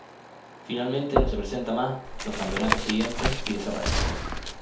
Finalmente no se presenta más en los campeonatos siguientes y desaparece.